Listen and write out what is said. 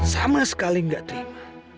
sama sekali gak terima